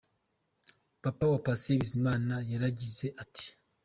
Papa wa Patient Bizimana yaragize ati: .